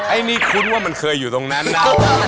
อันนี้คุ้นว่ามันเคยอยู่ตรงนั้นนะ